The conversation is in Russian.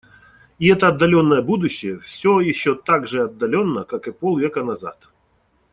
И это отдаленное будущее все еще так же отдалённо, как и полвека назад.